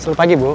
selamat pagi bu